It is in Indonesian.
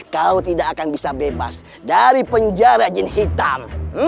kau tidak akan bisa bebas dari penjara jin hitam